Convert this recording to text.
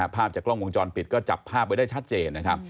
ภาพจากกล้องวงจอดปิดก็จับภาพไว้ได้ชัดเจน